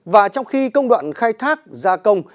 và trong khi công đoạn khai thác gia công